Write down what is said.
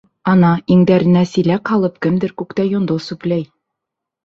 — Ана иңдәренә силәк һалып, кемдер күктә йондоҙ сүпләй.